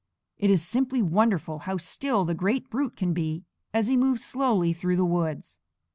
It is simply wonderful how still the great brute can be as he moves slowly through the woods.